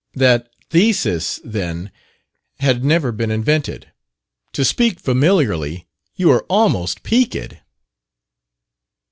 " that theses, then, had never been invented. To speak familiarly, you are almost 'peakèd.'"